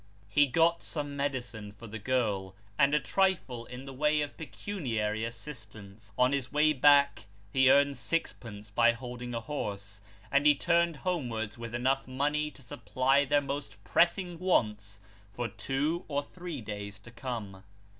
Ho got some medicine for the girl, and a trifle in the way of pecuniary assistance. On his way back, he earned sixpence by holding a horse ; and he turned homewards with enough money to supply their most pressing wants for two or three days to come.